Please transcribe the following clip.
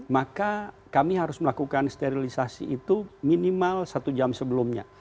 maka kami harus melakukan sterilisasi itu minimal satu jam sebelumnya